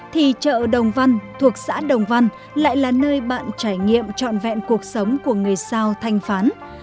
thì chợ đồng văn thuộc xã đồng văn lại là nơi bạn trải nghiệm trọn vẹn cuộc sống của người sao thanh phán